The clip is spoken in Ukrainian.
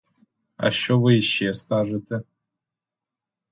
А що ви іще скажете?